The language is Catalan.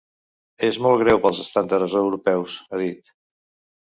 És molt greu pels estàndards europeus, ha dit.